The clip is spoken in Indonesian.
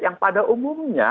yang pada umumnya